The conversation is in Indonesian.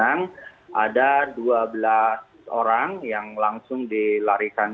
ada dua belas orang yang langsung dilarikan